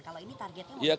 kalau ini targetnya mau